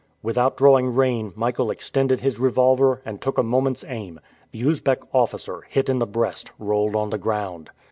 Without drawing rein, Michael extended his revolver, and took a moment's aim. The Usbeck officer, hit in the breast, rolled on the ground.